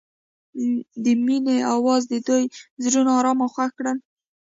د مینه اواز د دوی زړونه ارامه او خوښ کړل.